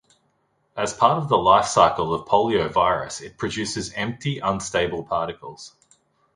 As part of the lifecycle of poliovirus it produces empty unstable particles.